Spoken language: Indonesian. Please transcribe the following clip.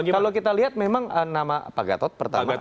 kalau kita lihat memang nama pak gatot pertama